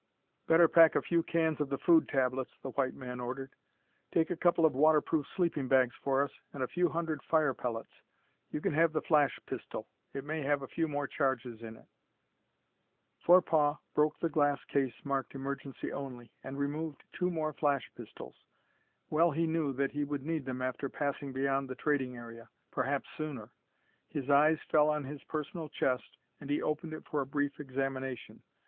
"Better pack a few cans of the food tablets," the white man ordered. "Take a couple of waterproof sleeping bags for us, and a few hundred fire pellets. You can have the flash pistol; it may have a few more charges in it." Forepaugh broke the glass case marked "Emergency Only" and removed two more flash pistols. Well he knew that he would need them after passing beyond the trading area perhaps sooner. His eyes fell on his personal chest, and he opened it for a brief examination.